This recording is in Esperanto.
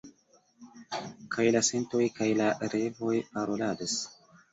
kaj la sentoj kaj la revoj paroladas?